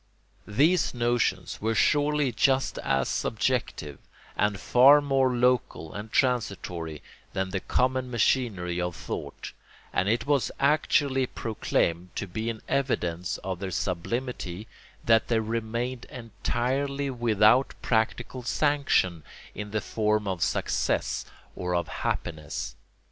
These notions were surely just as subjective, and far more local and transitory, than the common machinery of thought; and it was actually proclaimed to be an evidence of their sublimity that they remained entirely without practical sanction in the form of success or of happiness.